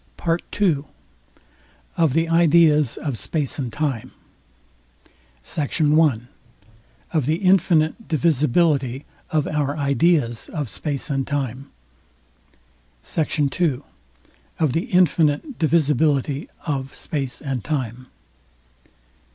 PART II. OF THE IDEAS OF SPACE AND TIME. SECT. I. OF THE INFINITE DIVISIBILITY OF OUR IDEAS OF SPACE AND TIME. SECT. II. OF THE INFINITE DIVISIBILITY OF SPACE AND TIME.